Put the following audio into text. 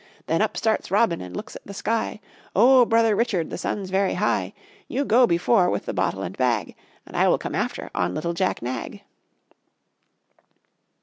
Then up starts Robin And looks at the sky: "Oh, brother Richard, The sun's very high. You go before With the bottle and bag, And I will come after On little Jack nag."